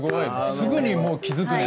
すぐにもう気付くね